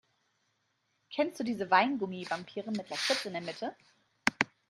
Kennst du diese Weingummi-Vampire mit Lakritz in der Mitte?